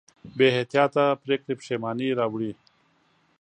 بېاحتیاطه پرېکړې پښېمانۍ راوړي.